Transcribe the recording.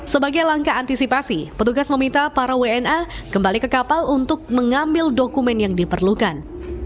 sebagai langkah antisipasi petugas meminta para wna kembali ke kapal untuk mengambil dokumen yang diperlukan